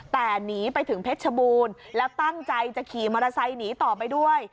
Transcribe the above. แต่หนีไปถึงเพชรชบูรณ์แล้วตั้งใจจะขี่มอเตอร์ไซค์หนีต่อไปด้วย